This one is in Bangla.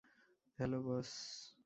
হ্যালো, বস!